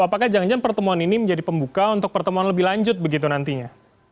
apakah jangan jangan pertemuan ini menjadi pembuka untuk pertemuan lebih lanjut begitu nantinya